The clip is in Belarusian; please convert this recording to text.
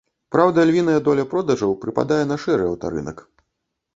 Праўда, львіная доля продажаў прыпадае на шэры аўтарынак.